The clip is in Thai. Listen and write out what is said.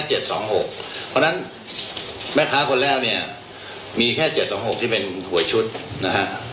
เพราะฉะนั้นแม่ค้าคนแรกเนี่ยมีแค่๗๒๖ที่เป็นหวยชุดนะฮะ